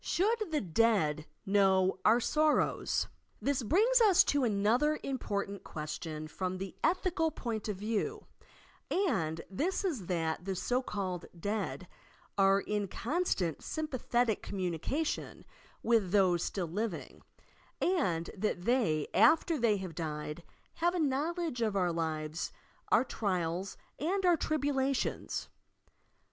SHOULD THE "dEAD" KNOW OUR SORROWS? This brings us to another important question from the ethical point of view, and this is that the so called Dead are in constant sympathetic communication with those still living, and that they, after they have died, have a knowledge of our lives, our trials and our tribu lations.